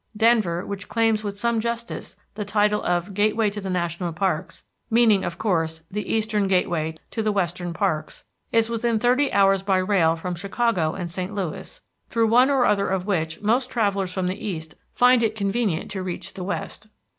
Denver, which claims with some justice the title of Gateway to the National Parks, meaning of course the eastern gateway to the western parks, is within thirty hours by rail from Chicago and St. Louis, through one or other of which most travellers from the east find it convenient to reach the west.